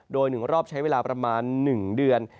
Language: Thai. โดย๑รอบใช้เวลาประมาณ๑เดือน